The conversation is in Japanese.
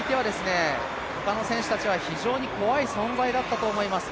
他の選手たちは非常に怖い存在だったと思います。